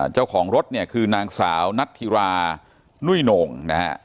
เจ้าของรถเนี่ยคือนางสาวนัทธิรานุ่ยโหน่งนะฮะ